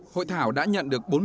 hội thảo đã nhận được bốn mươi một